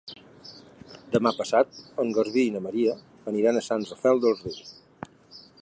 Demà passat en Garbí i na Maria aniran a Sant Rafel del Riu.